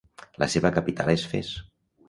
La seva capital és Fes.